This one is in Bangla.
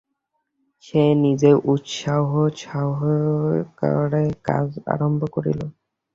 সে নিজেই উৎসাহসহকারে কাজ আরম্ভ করিল।